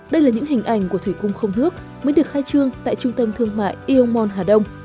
đây là những hình ảnh của thủy cung không nước mới được khai trương tại trung tâm thương mại iomon hà đông